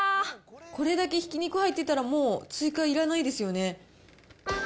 これだけひき肉入ってたらもう追加いらないですよね。